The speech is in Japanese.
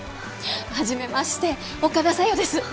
初めまして岡田小夜です